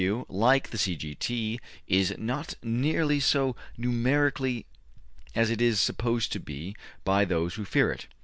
W., like the C. G. T., is not nearly so strong numerically as it is supposed to be by those who fear it.